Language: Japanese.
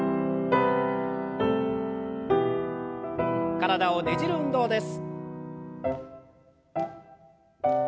体をねじる運動です。